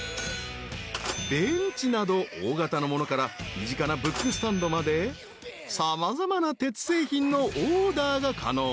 ［ベンチなど大型のものから身近なブックスタンドまで様々な鉄製品のオーダーが可能］